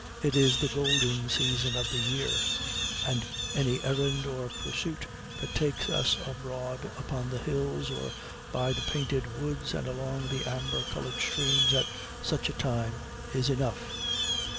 It is the golden season of the year, and any errand or pursuit that takes us abroad upon the hills or by the painted woods and along the amber colored streams at such a time is enough.